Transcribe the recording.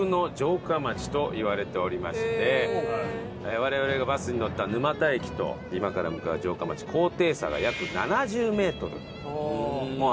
我々がバスに乗った沼田駅と今から向かう城下町高低差が約７０メートルもあると。